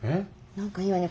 何かいいわね